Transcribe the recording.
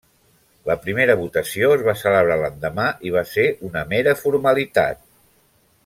La primera votació es va celebrar l'endemà i va ser una mera formalitat.